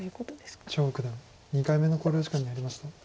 張九段２回目の考慮時間に入りました。